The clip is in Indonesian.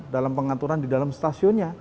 dalam pengaturan di dalam stasiunnya